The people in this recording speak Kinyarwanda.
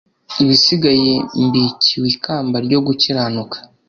Ibisigaye mbikiwe ikamba ryo gukiranuka